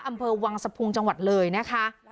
อำเภาวางสภูมีจังหวัดเลยนะคะ